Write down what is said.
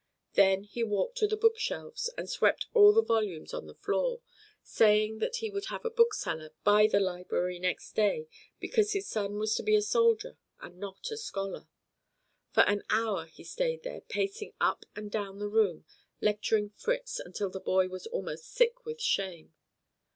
Then he walked to the bookshelves and swept all the volumes to the floor, saying that he would have a bookseller buy the library next day, because his son was to be a soldier and not a scholar. For an hour he stayed there, pacing up and down the room, lecturing Fritz until the boy was almost sick with shame.